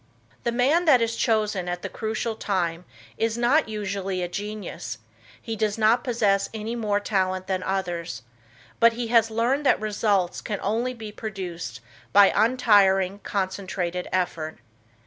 The man that is chosen at the crucial time is not usually a genius; he does not possess any more talent than others, but he has learned that results can only be produced by untiring concentrated effort.